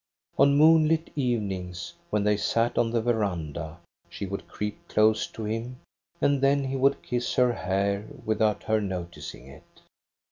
On moonlit evenings, when they sat on the veranda, she would creep close to him, and then he would kiss her hair without her noticing it.